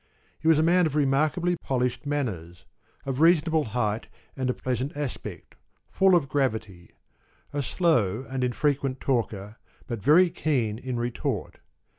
He was a man of remarkably polished manners, of reasonable height, and of pleasant aspect, full of gravity; a slow and infrequent talker, but very keen in retort.